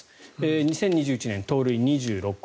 ２０２１年、盗塁２６個